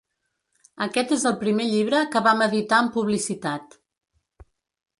Aquest és el primer llibre que vam editar amb publicitat.